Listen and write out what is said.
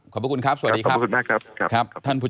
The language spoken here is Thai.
ขอบพระคุณมากครับ